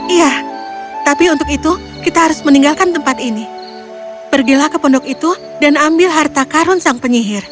iya tapi untuk itu kita harus meninggalkan tempat ini pergilah ke pondok itu dan ambil harta karun sang penyihir